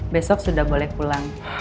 besok sudah boleh pulang